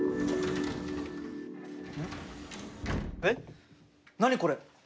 えっ何これ？